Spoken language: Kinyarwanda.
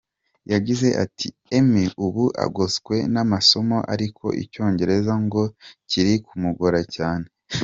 Yagize ati: “Emmy ubu agoswe n’amasomo ariko icyongereza ngo kiri kumgora cyane.